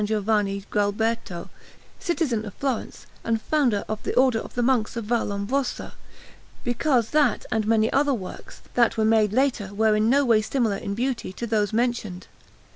Giovanni Gualberto, citizen of Florence and founder of the Order of the Monks of Vallombrosa; because that and many other works that were made later were in no way similar in beauty to those mentioned.